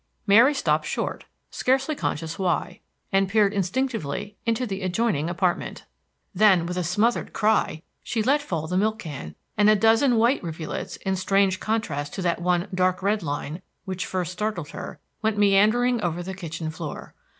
Mary stopped short, scarcely conscious why, and peered instinctively into the adjoining apartment. Then, with a smothered cry, she let fall the milk can, and a dozen white rivulets, in strange contrast to that one dark red line which first startled her, went meandering over the kitchen floor.